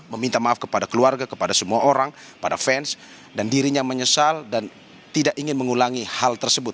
meminta maaf kepada keluarga kepada semua orang pada fans dan dirinya menyesal dan tidak ingin mengulangi hal tersebut